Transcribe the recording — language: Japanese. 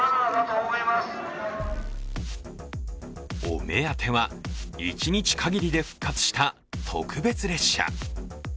お目当ては１日限りで復活した特別列車。